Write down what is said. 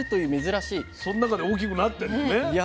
その中で大きくなってんのね。